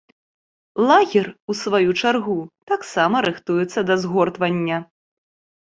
Лагер, у сваю чаргу, таксама рыхтуецца да згортвання.